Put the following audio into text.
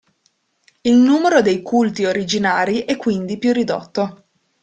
Il numero dei culti originari è quindi più ridotto.